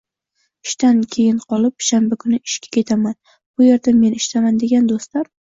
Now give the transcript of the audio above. Ishdan keyin qolib, shanba kuni ishga ketaman, bu erda men ishdaman, degan do'stlar